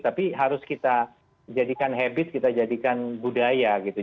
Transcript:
tapi harus kita jadikan habit kita jadikan budaya gitu